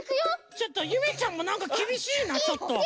ちょっとゆめちゃんもなんかきびしいなちょっと。